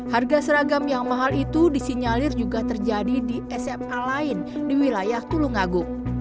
harga seragam yang mahal itu disinyalir juga terjadi di sma lain di wilayah tulungagung